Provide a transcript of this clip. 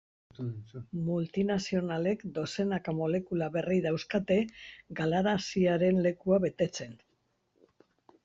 Multinazionalek dozenaka molekula berri dauzkate galaraziaren lekua betetzen.